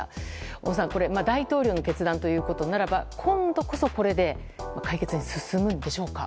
小野さん、大統領の決断ということならば今度こそこれで解決に進むんでしょうか。